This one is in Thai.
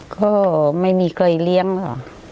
ก็ไม่มีใครเลี้ยงค่ะ